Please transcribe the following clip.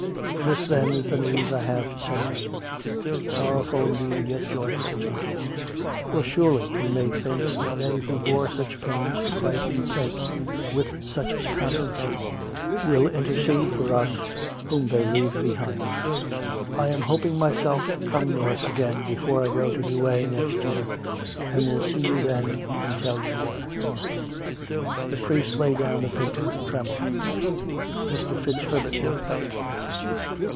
"' This, then, is the news I have to send you — sorrowful, indeed, yet joyful, too; for surely we may think that they 106 COME RACK! COME ROPE! who bore such pains for Christ's sake with such constancy will intercede for us whom they leave behind. I am hoping myself to come North again before I go to Douay next year, and will see you then and tell you more.' " The priest laid down the paper, trembling. Mr. FitzHerbert looked up.